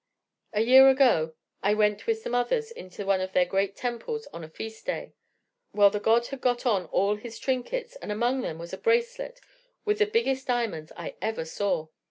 A year ago I went with some others into one of their great temples on a feast day. Well, the god had got on all his trinkets, and among them was a bracelet with the biggest diamonds I ever saw.